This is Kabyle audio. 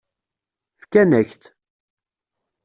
Fkan-ak-t.